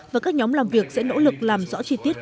và các nhóm làm việc sẽ nỗ lực làm rõ chi tiết